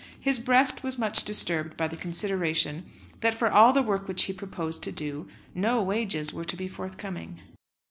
His breast was much disturbed by the consideration that for all the work which he proposed to do no wages were to be forthcoming.